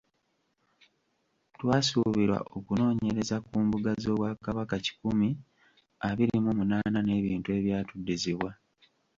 Twasuubirwa okunoonyereza ku mbuga z’Obwakabaka kikumi abiri mu munaana n’ebintu ebyatuddizibwa.